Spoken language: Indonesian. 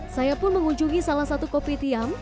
saya pun mengunjungi salah satu kopi tiam